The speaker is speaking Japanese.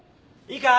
いいか？